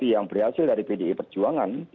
yang berhasil dari pdi perjuangan